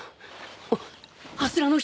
あっ柱の人は！？